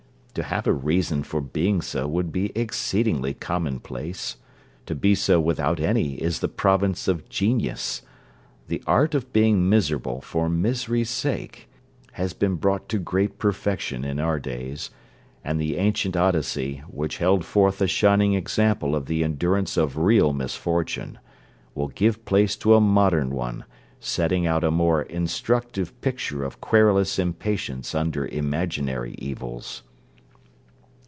To have a reason for being so would be exceedingly common place: to be so without any is the province of genius: the art of being miserable for misery's sake, has been brought to great perfection in our days; and the ancient Odyssey, which held forth a shining example of the endurance of real misfortune, will give place to a modern one, setting out a more instructive picture of querulous impatience under imaginary evils.